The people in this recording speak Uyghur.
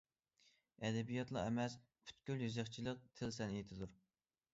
ئەدەبىياتلا ئەمەس، پۈتكۈل يېزىقچىلىق تىل سەنئىتىدۇر.